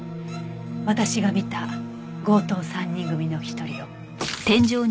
私が見た強盗３人組の１人よ。